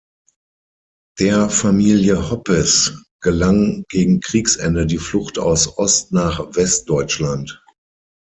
Der Familie Hoppes gelang gegen Kriegsende die Flucht aus Ost- nach Westdeutschland.